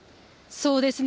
そうですね。